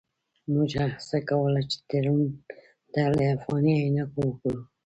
موږ هڅه کوله چې تړون ته له افغاني عینکو وګورو.